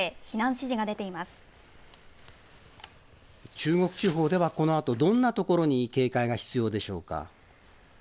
中国地方では、このあと、どんなところに警戒が必要でしょうか？